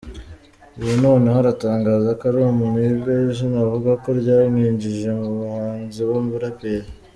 Ubu noneho aratangaza ko ari “umunigga”, izina avuga ko ryamwinjije mu buhanzi bw’uburaperi.